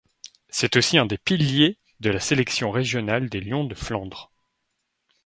C'est aussi un des piliers de la sélection régionale des Lions des Flandres.